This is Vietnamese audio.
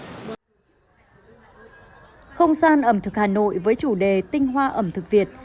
không gian ẩm thực hà nội với chủ đề tinh hoa ẩm thực việt